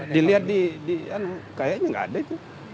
dilihat di kayaknya nggak ada itu